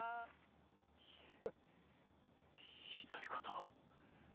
ひひどいことを